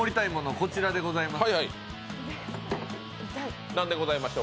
こちらでございます。